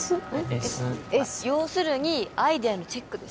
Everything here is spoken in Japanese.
エス要するにアイデアのチェックです